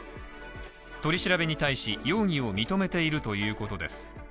取り調べに対し容疑を認めているということです。